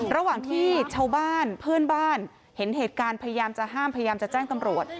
ระหว่างที่ชาวบ้านเพื่อนบ้านเห็นเหตุการณ์พยายามจะห้ามพยายามจะแจ้งตำรวจ